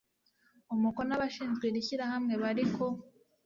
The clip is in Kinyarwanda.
umukono Abashinze iri shyirahamwe bari ku